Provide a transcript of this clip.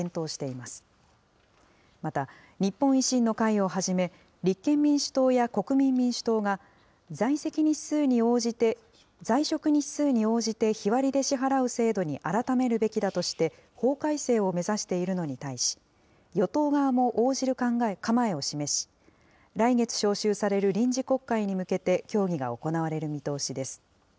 また、日本維新の会をはじめ、立憲民主党や国民民主党が、在職日数に応じて、日割りで支払う制度に改めるべきだとして、法改正を目指しているのに対し、与党側も応じる構えを示し、来月召集される臨時国会に向けて協議が行われる見通しです。